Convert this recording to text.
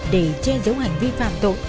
để che giấu hành vi phạm tội